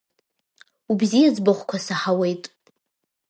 Убзиаӡбахәқәа саҳауеит.